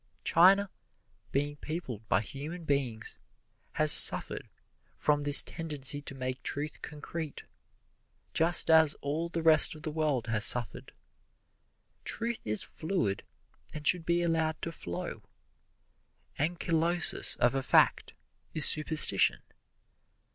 China, being peopled by human beings, has suffered from this tendency to make truth concrete, just as all the rest of the world has suffered. Truth is fluid and should be allowed to flow. Ankylosis of a fact is superstition.